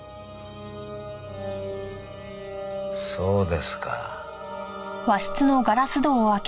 そうですか。